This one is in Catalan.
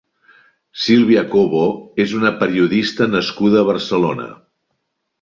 Silvia Cobo és una periodista nascuda a Barcelona.